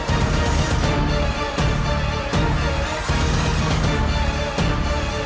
ampun kusi prabu